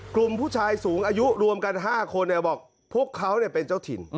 กลุ่มผู้ชายสูงอายุรวมกัน๕คนบอกพวกเขาเป็นเจ้าถิ่น